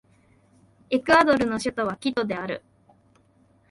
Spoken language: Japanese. エクアドルの首都はキトである